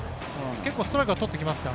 結構、ストライクは投げてきます。